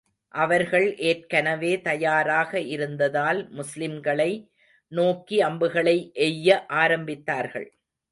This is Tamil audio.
அவர்கள் ஏற்கனவே தயாராக இருந்ததால், முஸ்லிம்களை நோக்கி அம்புகளை எய்ய ஆரம்பித்தார்கள்.